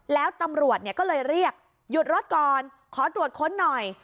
แล้วตำรวจก็เลยเรียกหยุดรถก่อนขอตรวจค้นหน่อย